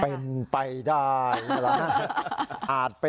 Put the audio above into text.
นี่นี่นี่นี่